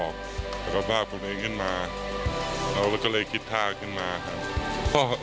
ก็เลยคิดท่าขึ้นมาครับ